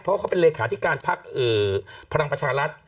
เพราะเขาเป็นเลขาธิการพักพลังประชารัฐ